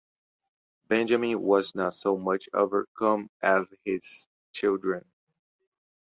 Benjamin was not so much overcome as his children.